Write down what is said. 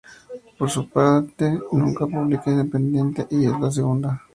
Por su parte Marca publica ""Independiente ya es de Segunda".